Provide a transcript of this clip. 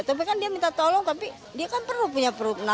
tapi kan dia minta tolong tapi dia kan perlu punya perut